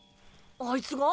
あいつが？